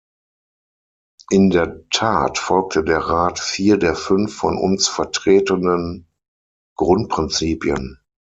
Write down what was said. In der Tat folgte der Rat vier der fünf von uns vertretenen Grundprinzipien.